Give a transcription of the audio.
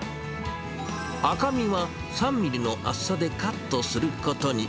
赤身は３ミリの厚さでカットすることに。